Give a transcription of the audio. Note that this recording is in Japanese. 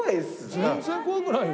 全然怖くないよ。